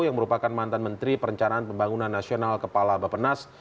yang merupakan mantan menteri perencanaan pembangunan nasional kepala bapenas